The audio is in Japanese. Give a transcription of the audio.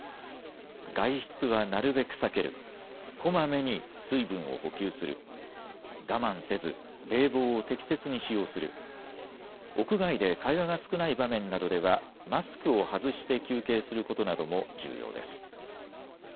外出はなるべく避ける、こまめに水分を補給する、我慢せず冷房を適切に使用する、屋外で会話が少ない場面などではマスクを外して休憩することなども重要です。